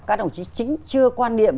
các đồng chí chính chưa quan điểm